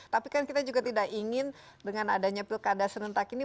tapi kan kita juga tidak ingin dengan adanya pilkada serentak ini